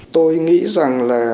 tôi nghĩ rằng là